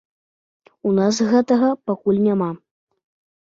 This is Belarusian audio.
У нас гэтага пакуль няма.